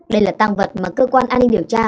đây là tăng vật mà cơ quan an ninh điều tra